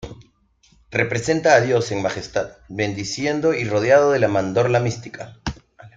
Representa a Dios en Majestad bendiciendo y rodeado de la mandorla mística.